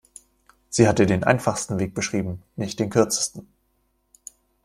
Sie hat dir den einfachsten Weg beschrieben, nicht den kürzesten.